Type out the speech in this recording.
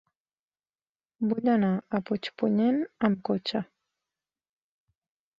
Vull anar a Puigpunyent amb cotxe.